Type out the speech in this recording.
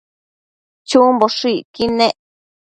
chumboshëcquid nec